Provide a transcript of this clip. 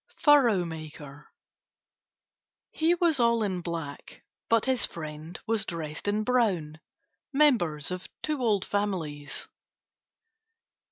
FURROW MAKER He was all in black, but his friend was dressed in brown, members of two old families.